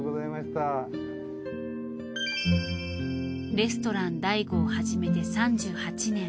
レストラン醍醐を始めて３８年。